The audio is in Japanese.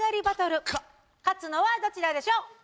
バトル勝つのはどちらでしょう？